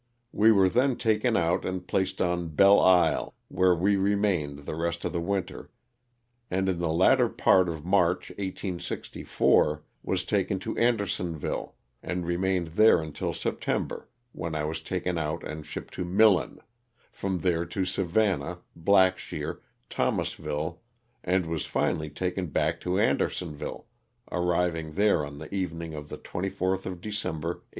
We were then taken out and placed on Belle Isle where we remained the rest of the winter, and in the latter part of March, 1864, was taken to Andersonville, and remained there until September, when I was taken out and shipped to Millen, from there to Savannah, Blackshear, Thomasville, and was finally taken back to Andersonville, arriving there on the evening of the 24th of December, 1864.